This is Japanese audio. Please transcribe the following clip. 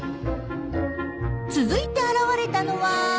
続いて現れたのは？